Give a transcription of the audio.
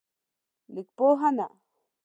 لیکپوهنه